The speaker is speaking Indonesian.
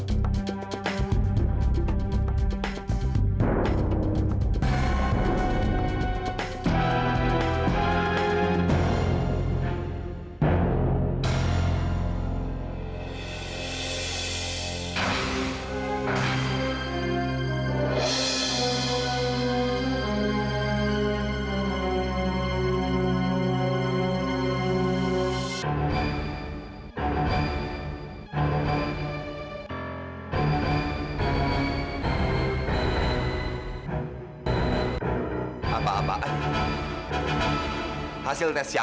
ini pasti ketukeran